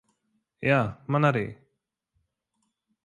Jā, man arī.